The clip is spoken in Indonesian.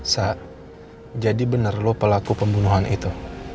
sa jadi bener lo pelaku pembunuhan itu